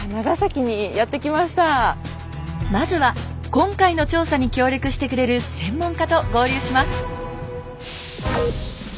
まずは今回の調査に協力してくれる専門家と合流します。